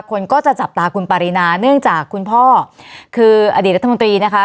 คนก็จะจับตาคุณปารีนาเนื่องจากคุณพ่อคืออดีตรัฐมนตรีนะคะ